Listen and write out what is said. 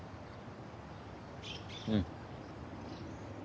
うん。